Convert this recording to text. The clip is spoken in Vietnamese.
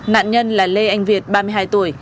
nạn nhân là lê anh việt ba mươi hai tuổi